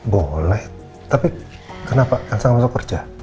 boleh tapi kenapa elsa nggak masuk kerja